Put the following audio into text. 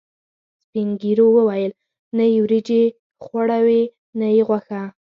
سپینږیرو ویل: نه یې وریجې خوړاوې، نه یې غوښه.